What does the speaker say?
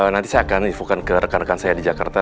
nanti saya akan infokan ke rekan rekan saya di jakarta